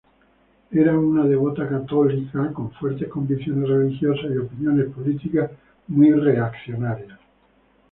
Era una devota católica, con fuertes convicciones religiosas y opiniones políticas muy conservadoras.